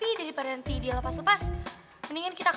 ini tantanya udah nungguin nih